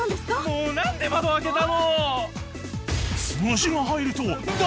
もう何で窓開けたの？